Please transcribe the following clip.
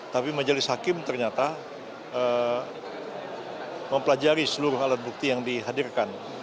tapi majelis hakim ternyata mempelajari seluruh alat bukti yang dihadirkan